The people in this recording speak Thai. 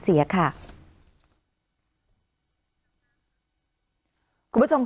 ไปเยี่ยมผู้แทนพระองค์